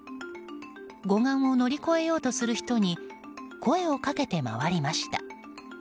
護岸を乗り越えようとする人に声をかけて回りました。